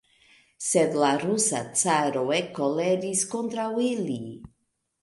Sed la rusa caro ekkoleris kontraŭ ili.